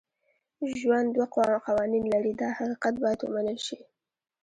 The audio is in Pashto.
ژوند دوه قوانین لري دا حقیقت باید ومنل شي.